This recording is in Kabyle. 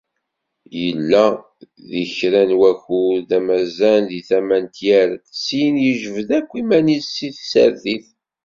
Yella di kra n wakud d amazan di tama n Tyaret, syin yejbed akk iman-is seg tsertit.